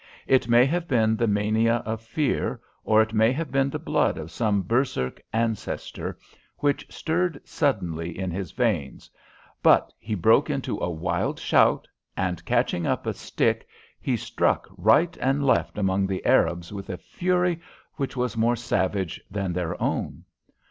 It may have been the mania of fear, or it may have been the blood of some Berserk ancestor which stirred suddenly in his veins; but he broke into a wild shout, and, catching up a stick, he struck right and left among the Arabs with a fury which was more savage than their own.